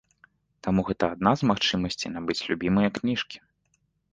Таму гэта адна з магчымасцей набыць любімыя кніжкі.